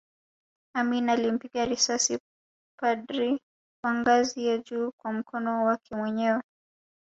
Amin alimpiga risasi padri wa ngazi ya juu kwa mkono wake mwenyewe